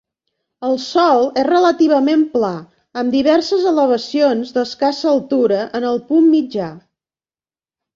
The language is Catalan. El sòl és relativament pla, amb diverses elevacions d'escassa altura en el punt mitjà.